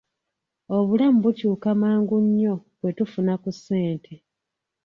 Obulamu bukyuka mangu nnyo bwe tufuna ku ssente.